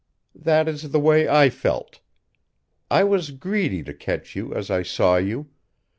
That is the way I felt. I was greedy to catch you as I saw you.